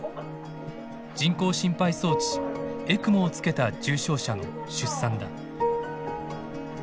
人工心肺装置ＥＣＭＯをつけた重症者の出産だ。